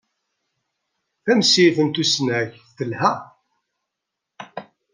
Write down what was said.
Tamsirt n tusnakt telha.